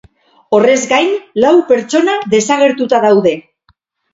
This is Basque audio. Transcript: Horrez gain, lau pertsona desagertuta daude.